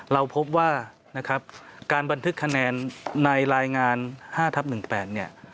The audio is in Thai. เราพบว่าการบันทึกคะแนนในรายงาน๕ทับ๑แปลน